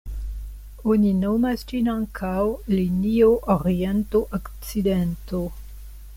Oni nomas ĝin ankaŭ linio oriento-okcidento.